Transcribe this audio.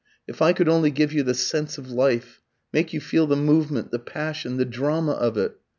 If I could only give you the sense of life make you feel the movement, the passion, the drama of it!